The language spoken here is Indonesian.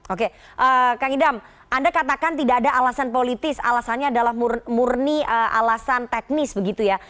oke kang idam anda katakan tidak ada alasan politis alasannya adalah murni alasan teknis begitu ya